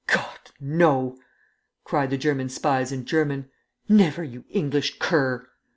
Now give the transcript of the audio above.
"Gott no!" cried the German spies in German. "Never, you English cur!"